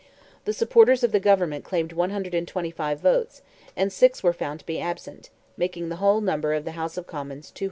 The supporters of the government claimed 125 votes, and six were found to be absent, making the whole number of the House of Commons 232.